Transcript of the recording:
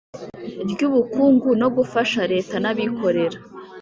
ry ubukungu no gufasha Leta n abikorera